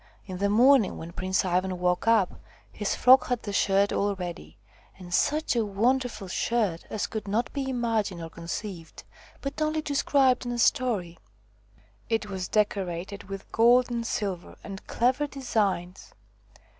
In the morning when Prince Ivan woke up, his Frog had the shirt all ready, and such a wonderful shirt as could not be 120 THE FROG QUEEN imagined or conceived, but only described in a story. It was decorated with gold and silver and clever designs.